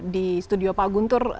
di studio pak guntur